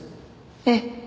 ええ。